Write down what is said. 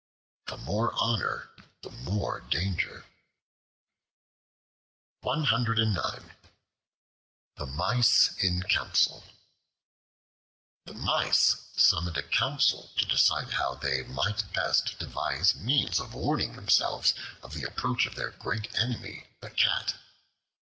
The more honor the more danger. The Mice in Council THE MICE summoned a council to decide how they might best devise means of warning themselves of the approach of their great enemy the Cat.